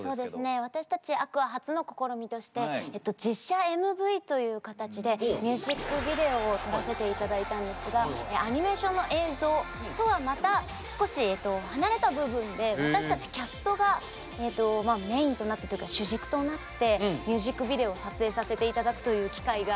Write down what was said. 私たちＡｑｏｕｒｓ初の試みとして実写ＭＶという形でミュージックビデオを撮らせて頂いたんですがアニメーションの映像とはまた少し離れた部分で私たちキャストがえとまあメインとなってというか主軸となってミュージックビデオを撮影させて頂くという機会が。